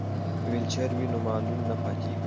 که ویلچر وي نو معلول نه پاتیږي.